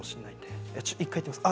１回やってみます